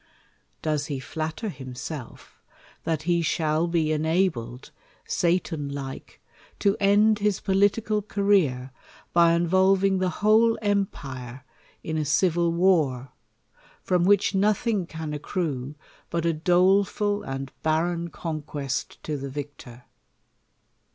Does he flatter himself, that he shall be enabled, Satan like, to end his political career by involving th( whole empire in a civil war, from which nothing car acci*ue THE COLUMBIAN ORATOR. 245 accrue, but a doleful and barren conquest to the victor